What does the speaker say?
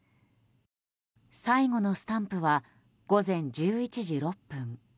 最後のスタンプは午前１１時６分。